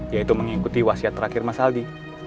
yaitu mengikuti wasiat terakhir mas aldi